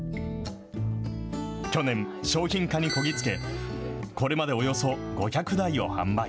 去年、商品化にこぎ着け、これまでおよそ５００台を販売。